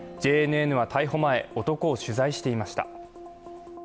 ＪＮＮは逮捕前、男を取材していました。